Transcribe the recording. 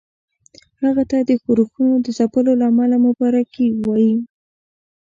هغه ته د ښورښونو د ځپلو له امله مبارکي ووايي.